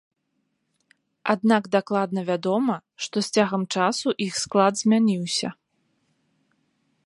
Аднак дакладна вядома, што з цягам часу іх склад змяніўся.